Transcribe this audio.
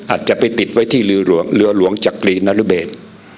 อาจจะไปติดไว้ที่เรือหลวงจักรีนรเบศ